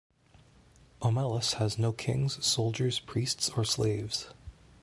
Omelas has no kings, soldiers, priests, or slaves.